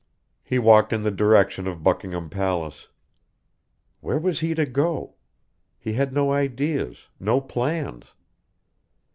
He walked in the direction of Buckingham Palace. Where was he to go? He had no ideas, no plans.